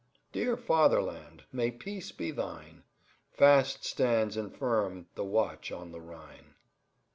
"Dear Fatherland, may peace be thine; Fast stands and firm the Watch on the Rhine."